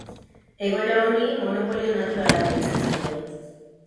Egoera honi monopolio naturala deitzen zaio.